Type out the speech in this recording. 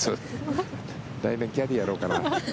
来年キャディーやろうかな。